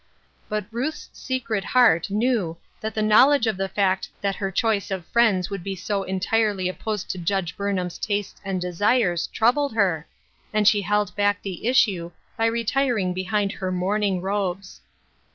But Ruth's secret heart knew that the knowledge of the fact that her choice of friends would be so entirely opposed to Judge Burnham's tastes and desires troubled her, and she held back the issue by retiring behind her mourning robes.